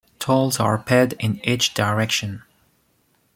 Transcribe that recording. Tolls are paid in each direction.